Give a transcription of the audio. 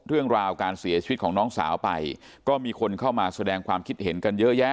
เรื่องราวการเสียชีวิตของน้องสาวไปก็มีคนเข้ามาแสดงความคิดเห็นกันเยอะแยะ